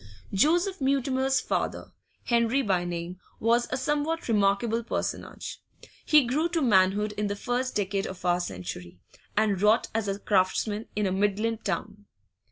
Joseph Mutimer's father, Henry by name, was a somewhat remarkable personage. He grew to manhood in the first decade of our century, and wrought as a craftsman in a Midland town.